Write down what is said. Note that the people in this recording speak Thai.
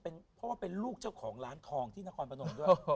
เพราะว่าเป็นลูกเจ้าของร้านทองที่นครพนมด้วย